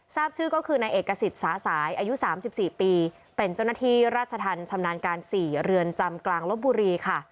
ทราบชื่อก็คือนายเอกสิทธิ์สาสายอายุ๓๔ปีเป็นเจ้าหน้าที่ราชธรรมชำนาญการ๔เรือนจำกลางลบบุรีค่ะ